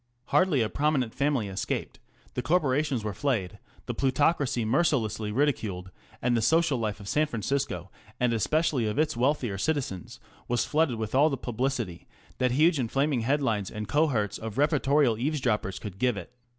Hardly a prominent family escaped ; the corporations were flayed, the plutocracy mercilessly ridiculed, and the social life of San Francisco, and especially of its wealthier citizens, was flooded with all the publicity that huge and flaming headlines and cohorts of reportorial eavesdroppers could give it.